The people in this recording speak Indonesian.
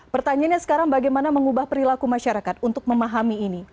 pertanyaannya sekarang bagaimana mengubah perilaku masyarakat untuk memahami ini